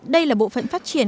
đây là bộ phận phát triển